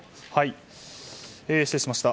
失礼しました。